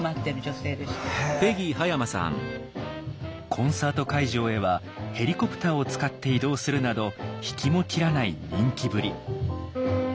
コンサート会場へはヘリコプターを使って移動するなど引きも切らない人気ぶり。